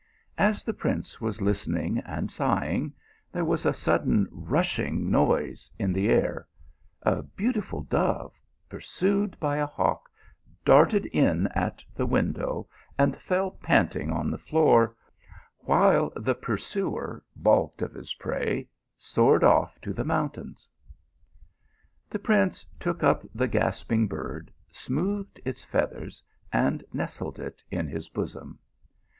As the prince was listening and sighing, there was a sudden rushing noise in the air; a beautiful dove, pursued by a hawk, darted in at the window and fell panting on the floor ; while the pur suer, balked of his prey, soared off to the mountains. The prince took up the gasping bird, smoothed its feathers, and nestled it in his bosom.